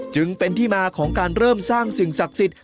จึงเป็นที่มาของการเริ่มสร้างสิ่งศักดิ์สิทธิ